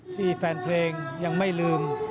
แฟนเพลงยังไม่ลืม